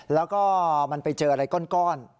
แล้วก็มันไปเจออะไรก้อน